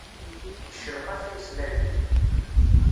Iccelqaf imeslayen.